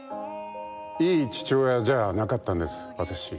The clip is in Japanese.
いい父親じゃなかったんです私。